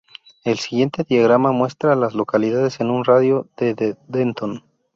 El siguiente diagrama muestra a las localidades en un radio de de Denton.